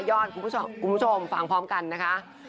ย่อนคุณผู้ชมคุณผู้ชมฝ่างพร้อมกันนะคะ